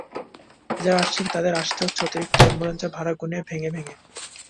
যাঁরা আসছেন তাঁদের আসতে হচ্ছে অতিরিক্ত অ্যাম্বুলেন্স ভাড়া গুনে, ভেঙে ভেঙে।